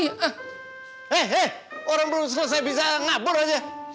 eh eh orang belum selesai bisa ngabur aja